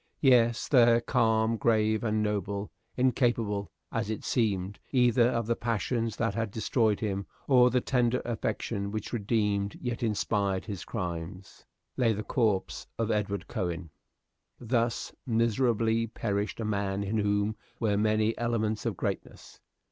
Yes, there, calm, grave, and noble, incapable, as it seemed, either of the passions that had destroyed him or the tender affection which redeemed yet inspired his crimes, lay the corpse of Edward Cowen. Thus miserably perished a man in whom were many elements of greatness.